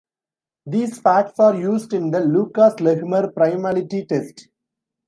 These facts are used in the Lucas-Lehmer primality test.